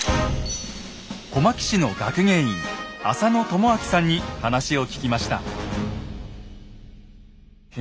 小牧市の学芸員浅野友昭さんに話を聞きました。